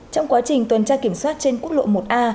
trong quá trình tuần tra kiểm soát trên quốc lộ một a